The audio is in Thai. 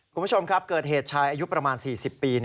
คุณผู้ชมครับเกิดเหตุชายอายุประมาณ๔๐ปี